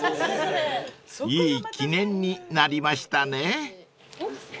［いい記念になりましたね］